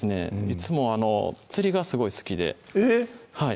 いつも釣りがすごい好きでえっ！